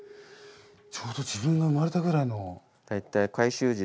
ちょうど自分が生まれたぐらいの。